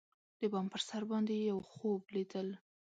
د بام پر سر باندی یوخوب لیدل